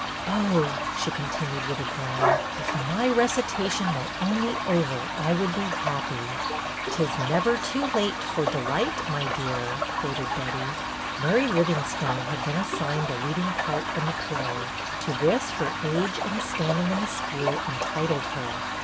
" Oh," she continued with a groan, " if my recitation were only over I would be happy." ''' 'T is never too late for delight, my dear,' " quoted Betty. Mary Livingstone had been assigned the leading part in the play ; to this her age and standing in the school entitled her.